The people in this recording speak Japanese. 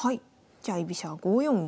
じゃあ居飛車は５四銀。